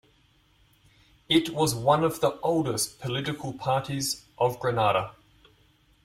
It was one of the oldest political parties of Grenada.